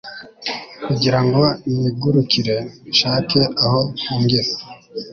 kugira ngo nigurukire, nshake aho mpungira